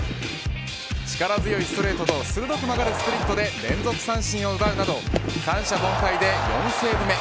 力強いストレートと鋭く曲がるスプリットで連続三振を奪うなど三者凡退で４セーブ目。